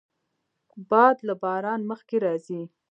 باد له باران مخکې راځي